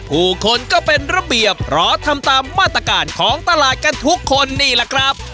ผู้คนก็เป็นระเบียบเพราะทำตามมาตรการของตลาดกันทุกคนนี่แหละครับ